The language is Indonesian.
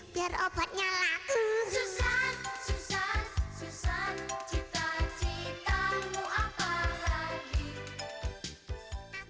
biar obatnya laku